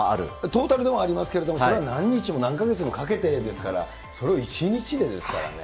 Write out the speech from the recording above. トータルではありますけれども、それは何日も何か月もかけてですから、それを１日でですからね。